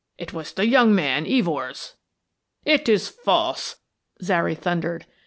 It was the young man Evors." "It is false," Zary thundered.